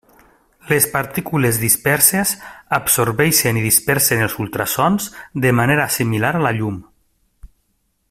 Les partícules disperses absorbeixen i dispersen els ultrasons de manera similar a la llum.